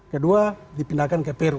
kedua dipindahkan ke peru